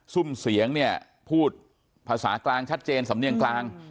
ซุ่มเสียงเนี่ยพูดภาษากลางชัดเจนสำเนียงกลาง